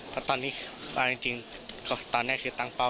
แต่ตอนนี้ความจริงตอนนี้คือตั้งเป้า